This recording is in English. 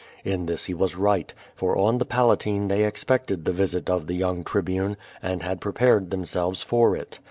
In this he was riglit, for on the Palatine they ex l>eclcd the visit of tlie young Tribune, and had prepared themselves for it.